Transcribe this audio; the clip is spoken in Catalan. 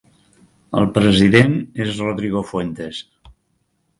El president és Rodrigo Fuentes.